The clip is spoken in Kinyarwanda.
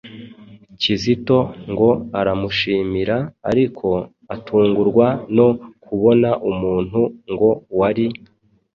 Kizito ngo aramushimira, ariko atungurwa no kubona umuntu ngo wari